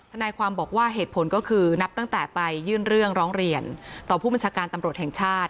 ทนายความบอกว่าเหตุผลก็คือนับตั้งแต่ไปยื่นเรื่องร้องเรียนต่อผู้บัญชาการตำรวจแห่งชาติ